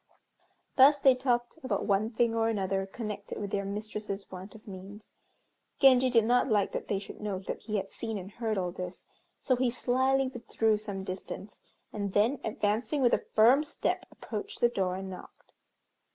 Thus they talked about one thing or another connected with their mistress's want of means. Genji did not like that they should know that he had seen and heard all this, so he slyly withdrew some distance, and then advancing with a firm step, approached the door and knocked.